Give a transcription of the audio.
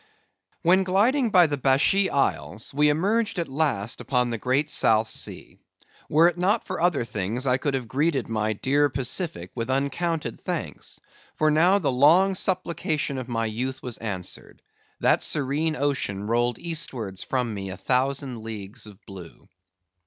When gliding by the Bashee isles we emerged at last upon the great South Sea; were it not for other things, I could have greeted my dear Pacific with uncounted thanks, for now the long supplication of my youth was answered; that serene ocean rolled eastwards from me a thousand leagues of blue.